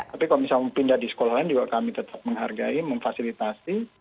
tapi kalau misalnya mau pindah di sekolah lain juga kami tetap menghargai memfasilitasi